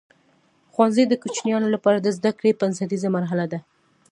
ښوونځی د کوچنیانو لپاره د زده کړې بنسټیزه مرحله ده.